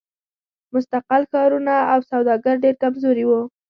مستقل ښارونه او سوداګر ډېر کمزوري وو.